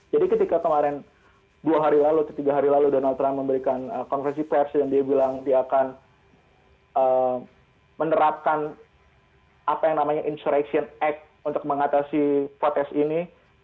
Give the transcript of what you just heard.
jadi ketika kemarin dua hari lalu atau tiga hari lalu donald trump memberikan konversi pers dan dia bilang dia akan menerapkan apa yang namanya insurrection act untuk mengatasi protes ini